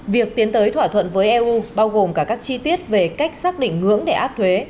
việc tiến tới thỏa thuận với eu bao gồm cả các chi tiết về cách xác định ngưỡng để áp thuế